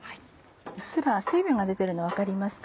うっすら水分が出てるの分かりますか？